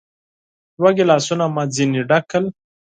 دوه ګیلاسونه مو ځینې ډک کړل.